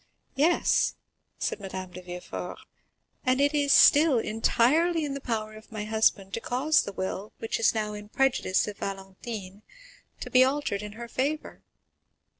"Yes," said Madame de Villefort; "and it is still entirely in the power of my husband to cause the will, which is now in prejudice of Valentine, to be altered in her favor."